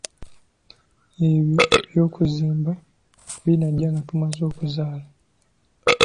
Ebyo eby'okuzimba binajja nga tumaze okuzaala.